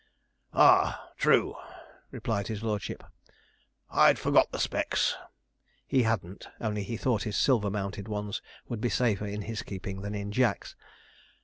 'Ah, true,' replied his lordship; 'I'd forgot the specs.' (He hadn't, only he thought his silver mounted ones would be safer in his keeping than in Jack's.)